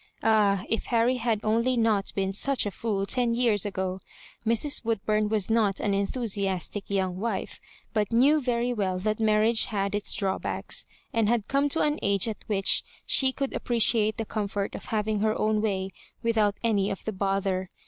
Ah, if Harry had only not been such a fool ten years ago I Mrs. Woodbum was not an enthusiastic young wife, but knevr very well that marriage had its drawbacks, and had come to an age at which she could appre ciate the comfort of having her own way with out any of the bother.